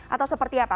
atau seperti apa